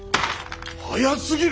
早すぎる！